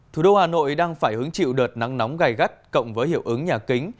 thủ đô hà nội đang phải hứng chịu đợt nắng nóng gai gắt cộng với hiệu ứng nhà kính